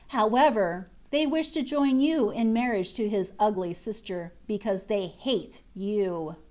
However, they wish to join you in marriage to his ugly sister, because they hate you.